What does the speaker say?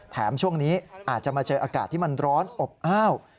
ช่วงนี้อาจจะมาเจออากาศที่มันร้อนอบอ้าว